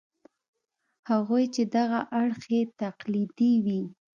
هغوی چې دغه اړخ یې تقلیدي وي.